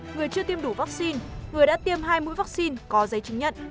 người chưa tiêm đủ vaccine người đã tiêm hai mũi vaccine có giấy chứng nhận